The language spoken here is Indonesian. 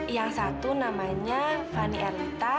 yang satu namanya fanny erlita